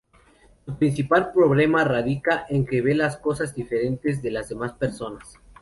Su principal problema radica en que ve las cosas diferentes de las demás personas.